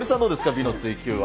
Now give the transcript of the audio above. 美の追求は。